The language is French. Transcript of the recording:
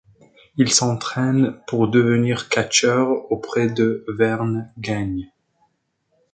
Il s'entraîne pour devenir catcheur auprès de Verne Gagne.